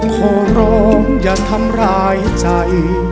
ขอร้องอย่าทำร้ายใจ